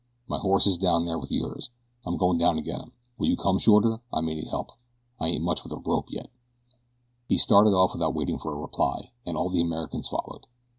My horse is down there with yours. I'm goin' down to get him. Will you come, Shorter? I may need help I ain't much with a rope yet." He started off without waiting for a reply, and all the Americans followed.